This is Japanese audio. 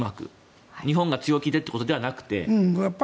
日本が強気でっていうことではなくて。